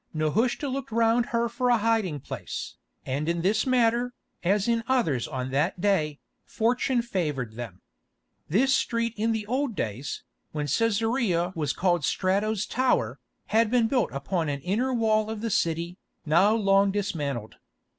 Nehushta looked round her for a hiding place, and in this matter, as in others on that day, fortune favoured them. This street in the old days, when Cæsarea was called Strato's Tower, had been built upon an inner wall of the city, now long dismantled.